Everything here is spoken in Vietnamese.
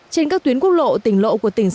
trên các tuyến quốc lộ tỉnh lộ của tỉnh